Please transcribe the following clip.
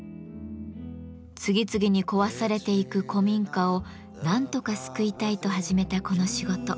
次々に壊されていく古民家をなんとか救いたいと始めたこの仕事。